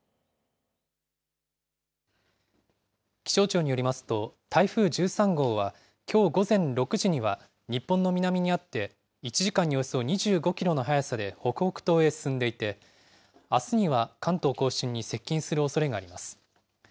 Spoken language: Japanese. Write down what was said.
気象庁によりますと、台風１３号はきょう午前６時には日本の南にあって、１時間におよそ２５キロの速さで北北東へ進んでいて、あすには関東甲信に接近するおそれがあります。